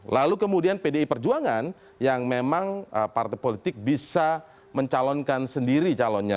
lalu kemudian pdi perjuangan yang memang partai politik bisa mencalonkan sendiri calonnya